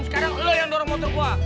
sekarang lo yang dorong motor gue